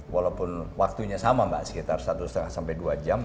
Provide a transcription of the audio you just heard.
walaupun waktunya sama mbak sekitar satu lima sampai dua jam